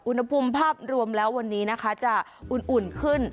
อุณหภูมิภาพรวมแล้ววันนี้นะคะจะอุ่นขึ้น